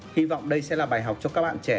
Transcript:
hy vọng đây sẽ là bài học cho các bạn trẻ